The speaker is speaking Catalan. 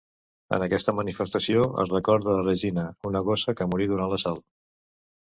En aquesta manifestació es recorda a Regina, una gossa que morí durant l'assalt.